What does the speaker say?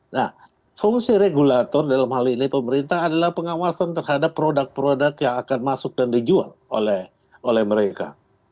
nah fungsi regulator dalam hal ini pemerintah adalah pengawasan terhadap produk produk yang akan masuk dan dijual oleh mereka